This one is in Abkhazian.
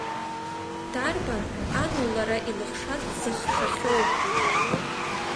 Дарбан ану лара илыхшаз дзыхшахьоу.